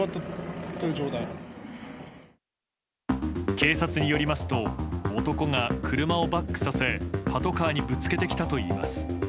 警察によりますと男が車をバックさせパトカーにぶつけてきたといいます。